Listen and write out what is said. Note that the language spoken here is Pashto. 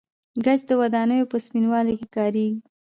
ګچ د ودانیو په سپینولو کې کاریږي.